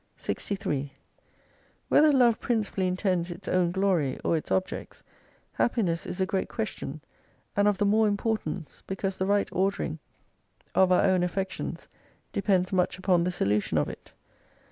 63 Whether Love principally intends its own glory or its objects, happiness is a great question, and of the more importance, because the right ordering of our own 584 affections depends much upon the solution of it.